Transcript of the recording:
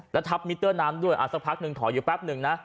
แล้วทับมิเตอร์น้ำด้วยสักพักหนึ่งถอยอยู่แป๊บหนึ่งนะ